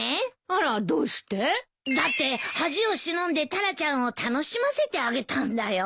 あらどうして？だって恥を忍んでタラちゃんを楽しませてあげたんだよ。